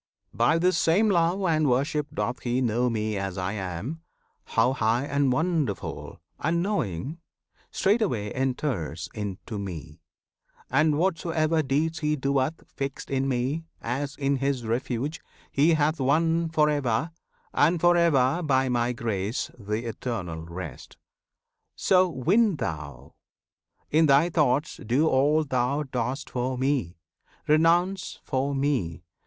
By this same love and worship doth he know Me as I am, how high and wonderful, And knowing, straightway enters into Me. And whatsoever deeds he doeth fixed In Me, as in his refuge he hath won For ever and for ever by My grace Th' Eternal Rest! So win thou! In thy thoughts Do all thou dost for Me! Renounce for Me!